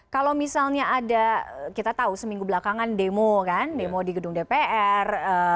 kalau misalnya ada kita tahu seminggu belakangan demo kan demo di gedung dpr